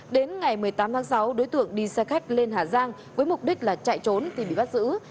đến ngày một mươi tám tháng sáu đối tượng đi xe khách lên hà giang với mục đích là chạy trốn thì bị bắt giữ